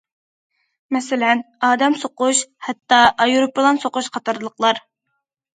مەسىلەن ئادەم سوقۇش، ھەتتا ئايروپىلان سوقۇش قاتارلىقلار.